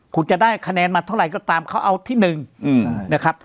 คุณจะได้คะแนนมาเท่าไหร่ก็ตามเขาเอาที่๑นะครับ